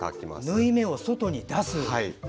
縫い目を外に出す。